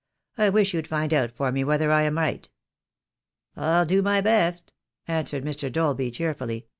I wish you'd find out for me whether I am right?" "I'll do my best," answered Mr. Dolby cheerfully.